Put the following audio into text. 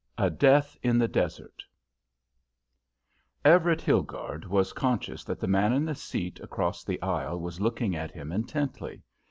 "A Death in the Desert" Everett Hilgarde was conscious that the man in the seat across the aisle was looking at him intently.